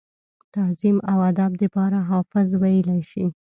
تعظيم او ادب دپاره حافظ وئيلی شي ۔